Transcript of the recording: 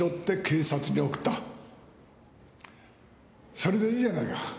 それでいいじゃないか。